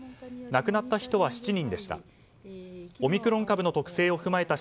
亡くなった人は７人でした。